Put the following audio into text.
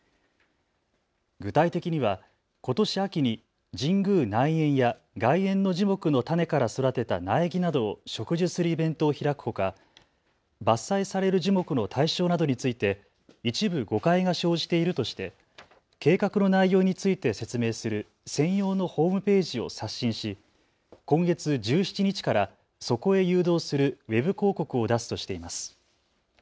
具体的にはことし秋に神宮内苑や外苑の樹木の種から育てた苗木などを植樹するイベントを開くほか、伐採される樹木の対象などについて一部誤解が生じているとして計画の内容について説明する専用のホームページを刷新し、今月１７日からそこへ誘導するＷＥＢ広告を出すとしています。